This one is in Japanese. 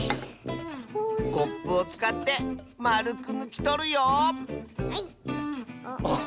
コップをつかってまるくぬきとるよはい。